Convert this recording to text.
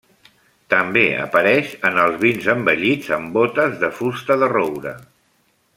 També apareix en els vins envellits en bótes de fusta de roure.